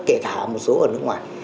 kể cả một số ở nước ngoài